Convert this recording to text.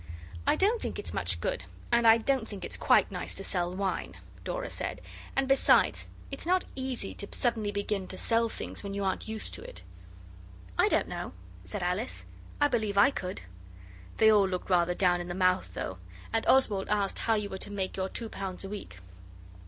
'I don't think it's much good, and I don't think it's quite nice to sell wine,' Dora said 'and besides, it's not easy to suddenly begin to sell things when you aren't used to it.' 'I don't know,' said Alice; 'I believe I could.' They all looked rather down in the mouth, though, and Oswald asked how you were to make your two pounds a week.